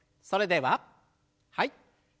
それでははい。